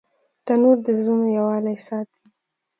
تنور د زړونو یووالی ساتي